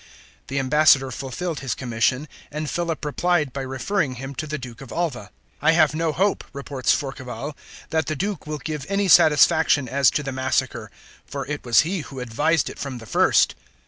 The ambassador fulfilled his commission, and Philip replied by referring him to the Duke of Alva. "I have no hope," reports Forquevaulx, "that the Duke will give any satisfaction as to the massacre, for it was he who advised it from the first."